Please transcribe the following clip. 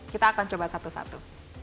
kita akan coba satu satu